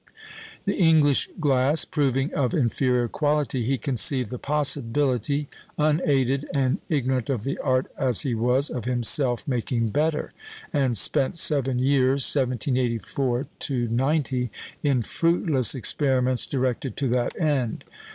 The English glass proving of inferior quality, he conceived the possibility, unaided and ignorant of the art as he was, of himself making better, and spent seven years (1784 90) in fruitless experiments directed to that end.